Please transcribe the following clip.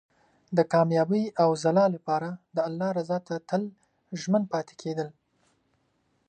د کامیابۍ او ځلا لپاره د الله رضا ته تل ژمن پاتې کېدل.